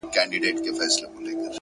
هره هڅه د بریا خوا ته حرکت دی’